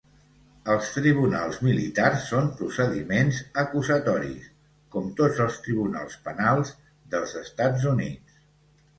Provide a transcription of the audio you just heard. Els tribunals militars són procediments acusatoris, com tots els tribunals penals dels Estats Units.